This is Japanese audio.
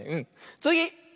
つぎ！